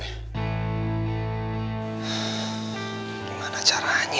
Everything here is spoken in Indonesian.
yang jadi hostin guys